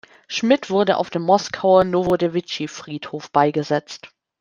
Schmidt wurde auf dem Moskauer Nowodewitschi-Friedhof beigesetzt.